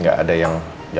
sekarang aku ke sana ya